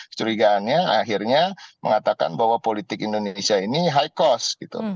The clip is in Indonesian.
kecurigaannya akhirnya mengatakan bahwa politik indonesia ini high cost gitu